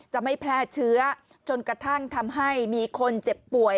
จะไม่แพร่เชื้อจนกระทั่งทำให้มีคนเจ็บป่วย